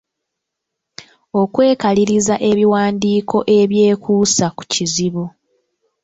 Okwekaliriza ebiwandiiko ebyekuusa ku kizibu.